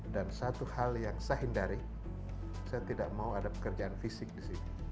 dan satu hal yang saya hindari saya tidak mau ada pekerjaan fisik di sini